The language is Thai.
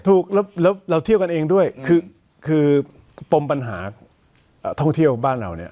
ถูกแล้วเราเที่ยวกันเองด้วยคือปมปัญหาท่องเที่ยวบ้านเราเนี่ย